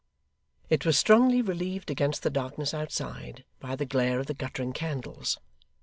It was strongly relieved against the darkness outside by the glare of the guttering candles.